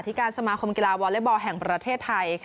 การสมาคมกีฬาวอเล็กบอลแห่งประเทศไทย